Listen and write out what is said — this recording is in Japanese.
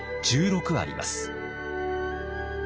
１６あります。